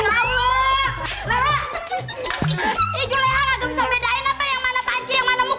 juleha gak bisa bedain apa yang mana panci yang mana muka